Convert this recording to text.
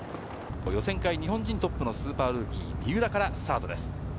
予選会、日本人トップのスーパールーキー・三浦からスタートです。